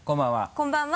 こんばんは。